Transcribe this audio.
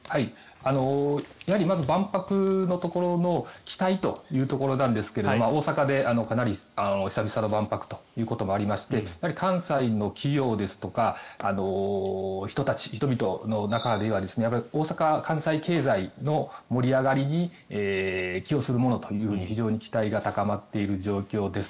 やはり万博のところの期待というところですが大阪で、かなり久々の万博ということもありまして関西の企業ですとか人々の中では大阪、関西経済の盛り上がりに寄与するものと非常に期待が高まっている状況です。